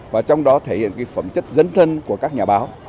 và trong đó thể hiện phẩm chất dấn thân của các nhà báo